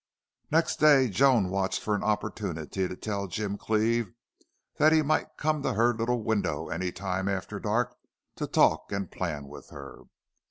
Next day Joan watched for an opportunity to tell Jim Cleve that he might come to her little window any time after dark to talk and plan with her.